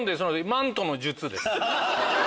マントの術です。